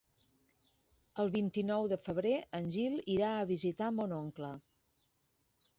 El vint-i-nou de febrer en Gil irà a visitar mon oncle.